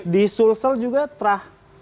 di sulsel juga terah